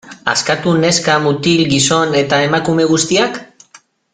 Askatu neska, mutil, gizon eta emakume guztiak?